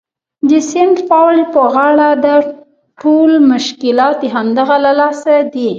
د سینټ پاول په غاړه ده، ټول مشکلات د همدغه له لاسه دي.